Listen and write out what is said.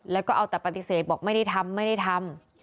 แล้วก็เอาแต่ปฏิเสธบอกไม่ได้ทำไม่ได้ทำ